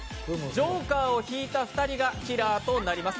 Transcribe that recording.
ジョーカーを引いた２人がキラーとなります。